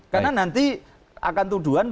karena nanti akan tuduhan